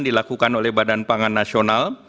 dilakukan oleh badan pangan nasional